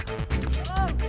jangan kabur lu